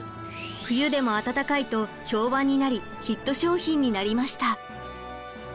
冬でも暖かいと評判になりヒット商品になりました。